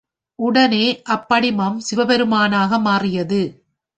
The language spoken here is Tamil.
உடனே அப் படிமம் சிவபெருமானாக மாறியது.